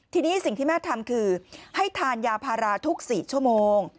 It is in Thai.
ทีนี้สิ่งที่แม่ทำคือให้ทานยาพาราทุก๔ชั่วโมง